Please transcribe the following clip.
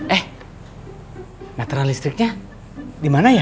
eh meteran listriknya dimana ya